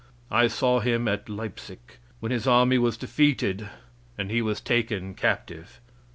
I saw him at Leipsic when his army was defeated and he was taken captive.